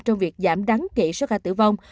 trong việc giảm đáng kể số ca tử vong